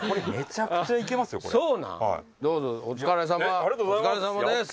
ありがとうございます。